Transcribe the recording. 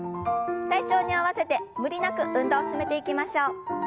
体調に合わせて無理なく運動を進めていきましょう。